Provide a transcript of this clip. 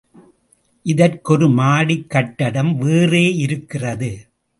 இதற்கு ஒரு மாடிக் கட்டடம் வேறே இருக்கிறது.